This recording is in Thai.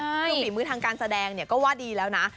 คือฝีมือทางการแสดงเนี่ยก็ว่าดีแล้วนะ